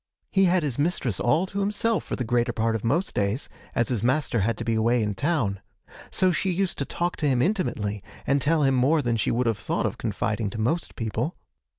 He had his mistress all to himself for the greater part of most days, as his master had to be away in town; so she used to talk to him intimately, and tell him more than she would have thought of confiding to most people.